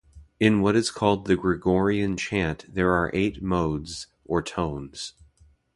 In what is called the Gregorian Chant there are eight modes, or tones.